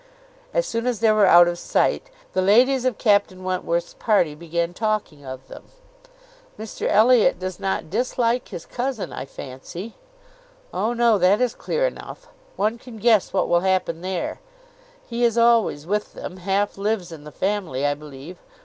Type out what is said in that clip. As soon as they were out of sight, the ladies of Captain Wentworth's party began talking of them. "Mr Elliot does not dislike his cousin, I fancy?" "Oh! no, that is clear enough. One can guess what will happen there. He is always with them; half lives in the family, I believe.